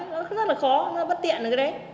đó nó rất là khó nó bất tiện được đấy